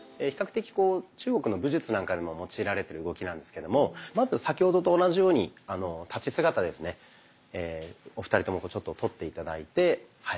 的中国の武術なんかでも用いられてる動きなんですけどもまず先ほどと同じように立ち姿ですねお二人ともとって頂いてはい。